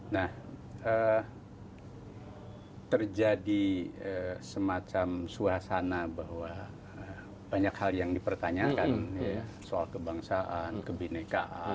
nah terjadi semacam suasana bahwa banyak hal yang dipertanyakan soal kebangsaan kebinekaan